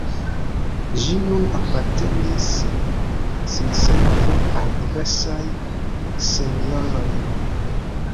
Ĝi nun apartenis sinsekve al diversaj senjoroj.